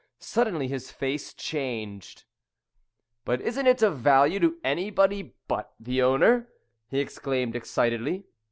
Suddenly his face changed. "But isn't it of value to anybody but the owner?" he exclaimed excitedly.